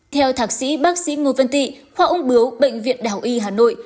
theo thạc sĩ bác sĩ ngô vân tị khoa ung bướu bệnh viện đảo y hà nội